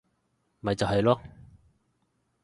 咪就係囉